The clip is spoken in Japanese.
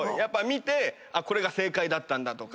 見てこれが正解だったんだとか。